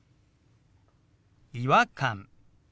「違和感」。